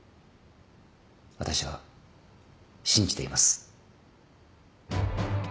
私は信じています。